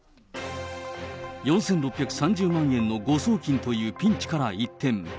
４６３０万円の誤送金というピンチから一転。